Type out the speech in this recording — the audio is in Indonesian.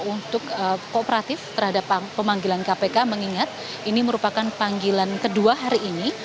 untuk kooperatif terhadap pemanggilan kpk mengingat ini merupakan panggilan kedua hari ini